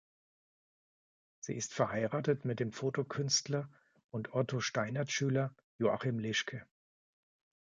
Sie ist verheiratet mit dem Fotokünstler und Otto Steinert-Schüler Joachim Lischke.